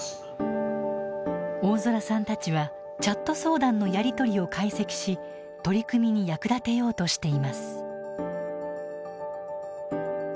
大空さんたちはチャット相談のやり取りを解析し取り組みに役立てようとしています。